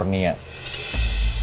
tentang mbak bella